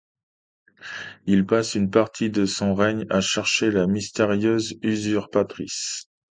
Il passe une partie de son règne à chercher la mystérieuse usurpatrice.